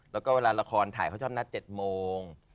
แล้วก็เวลาละครถ่ายเขาชอบนัด๗โมง